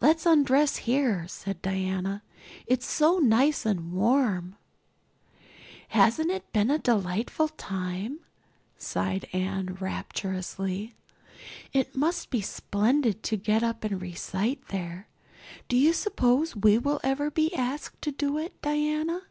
"Let's undress here," said Diana. "It's so nice and warm." "Hasn't it been a delightful time?" sighed Anne rapturously. "It must be splendid to get up and recite there. Do you suppose we will ever be asked to do it, Diana?"